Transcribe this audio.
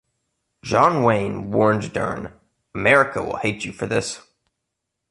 John Wayne warned Dern, America will hate you for this.